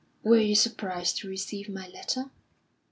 "Were you surprised to receive my letter?"